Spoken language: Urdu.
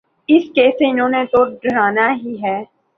اس کیس سے انہوں نے تو ڈرنا ہی ہے۔